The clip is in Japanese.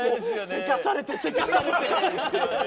せかされて、せかされて。